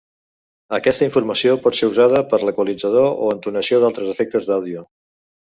Aquesta informació pot ser usada per l'equalització o entonació d'altres efectes d'àudio.